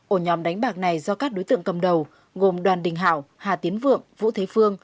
ổ nhóm đánh bạc này do các đối tượng cầm đầu gồm đoàn đình hảo hà tiến vượng vũ thế phương